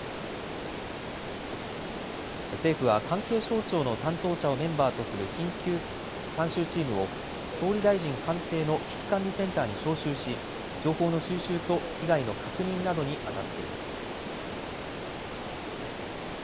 政府は関係省庁の担当者をメンバーとする緊急参集チームを総理大臣官邸の危機管理センターに招集し情報の収集と被害の確認などにあたっています。